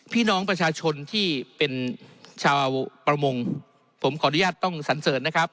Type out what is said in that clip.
พี่น้องประชาชนที่เป็นชาวประมงผมขออนุญาตต้องสันเสริญนะครับ